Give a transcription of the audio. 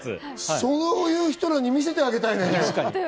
そういう人に見せてあげたいね。